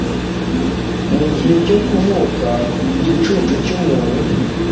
Mugihe cyo kuvuka igicucu cyumuntu.